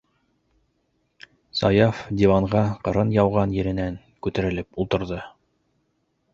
- Саяф диванға ҡырын ауған еренән күтәрелеп ултырҙы.